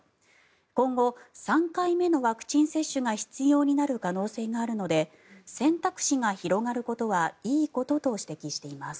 今後、３回目のワクチン接種が必要になる可能性があるので選択肢が広がることはいいことと指摘しています。